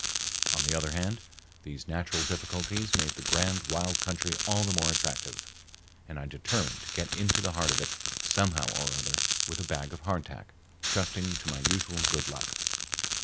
On the other hand, these natural difficulties made the grand wild country all the more attractive, and I determined to get into the heart of it somehow or other with a bag of hardtack, trusting to my usual good luck.